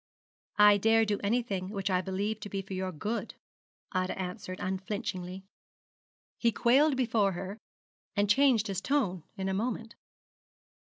'I dare do anything which I believe to be for your good,' Ida answered, unflinchingly. He quailed before her, and changed his tone in a moment.